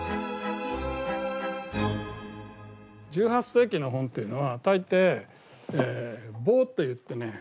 １８世紀の本っていうのは大抵えボーと言ってね